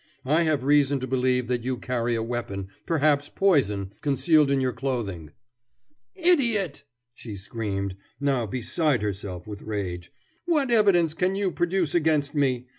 "I have reason to believe that you carry a weapon, perhaps poison, concealed in your clothing." "Idiot!" she screamed, now beside herself with rage, "what evidence can you produce against me?